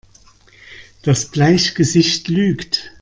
Das Bleichgesicht lügt!